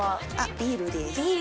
ビールです。